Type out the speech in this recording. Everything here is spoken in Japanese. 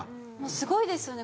スゴいですよね。